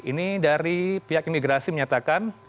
ini dari pihak imigrasi menyatakan